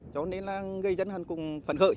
nó nên là gây dân hẳn cùng phần hợi